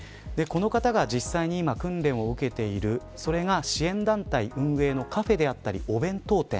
この方が実際に今訓練を受けているそれが支援団体運営のカフェであったりお弁当店